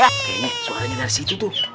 oke ini suaranya dari situ tuh